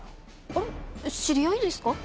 あれ知り合いですか？